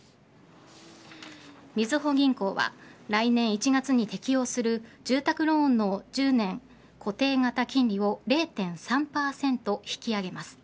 みずほ銀行は来年１月に適用する住宅ローンの１０年固定型金利を０．３％引き上げます。